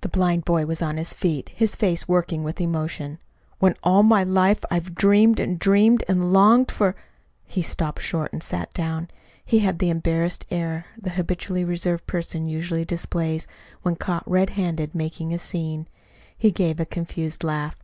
The blind boy was on his feet, his face working with emotion. "When all my life I've dreamed and dreamed and longed for " He stopped short and sat down. He had the embarrassed air the habitually reserved person usually displays when caught red handed making a "scene." He gave a confused laugh.